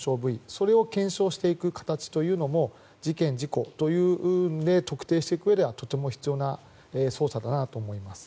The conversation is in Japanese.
それを検証していく形というのも事件事故という面で特定していくためにはとても必要な捜査だなと思います。